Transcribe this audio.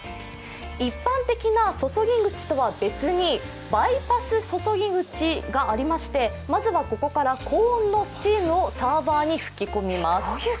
一般的な注ぎ口とは別にバイパス注ぎ口がありまして、まずはここから高温のスチ−ムをサーバーに吹き込みます。